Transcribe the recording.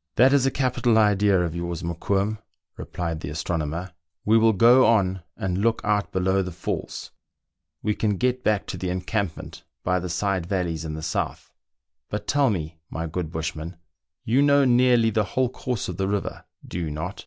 " That is a capital idea of yours, Mokoum," replied the astronomer :" we will go on and look out below the falls. We can get back to the encampment by the side valleys in the south. But tell me, my good bushman, you know nearly the whole course of the river, do you not